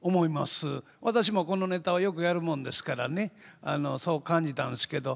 私もこのネタをよくやるもんですからねそう感じたんですけど。